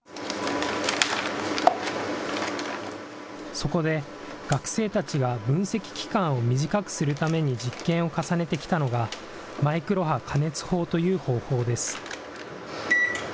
そこで、学生たちが分析期間を短くするために実験を重ねてきたのが、マイクロ波加熱法という方法です。